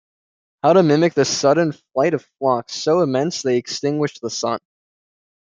How to mimic the sudden flight of flocks so immense they extinguished the sun?